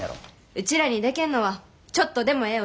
うちらにでけんのはちょっとでもええ